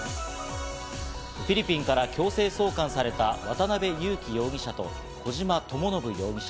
フィリピンから強制送還された渡辺優樹容疑者と小島智信容疑者。